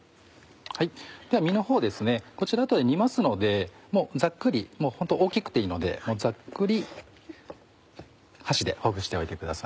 では身のほうこちら後で煮ますので大きくていいのでざっくり箸でほぐしておいてください。